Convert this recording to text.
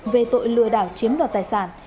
về tội lừa đảo chiếm đoạt tài sản